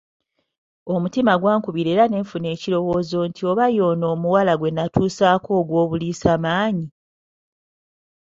Omutima gwankubira era ne nfuna ekirowoozo nti oba ye ono omuwala gwe nnatuusaako ogw'obuliisamaanyi?